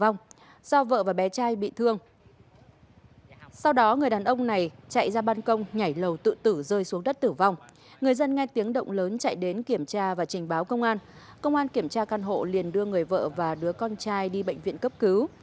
người dân nghe tiếng động lớn chạy đến kiểm tra và trình báo công an công an kiểm tra căn hộ liền đưa người vợ và đứa con trai đi bệnh viện cấp cứu